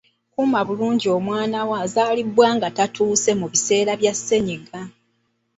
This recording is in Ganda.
Kuuma bulungi omwana wo azaaliddwa nga tatuuse mu biseera bya ssenyiga.